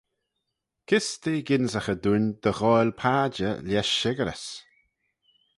Kys t'eh gynsaghey dooin dy ghoaill padjer lesh shickyrys?